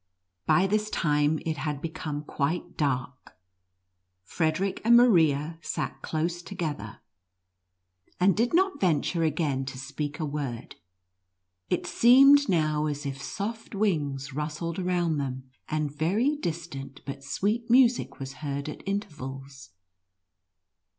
By this time it had become quite dark. Frederic and Maria sat close together, and did 10 NUTCRACKER AND MOUSE KING. not venture again to speak a word. It seemed now as if soft wings rustled around them, and very distant, but sweet music was heard at inter vals.